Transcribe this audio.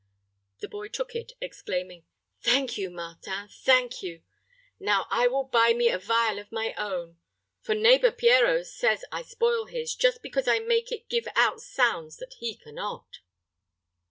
The boy took it, exclaiming, "Thank you, Martin thank you. Now I will buy me a viol of my own; for neighbor Pierrot says I spoil his, just because I make it give out sounds that he can not."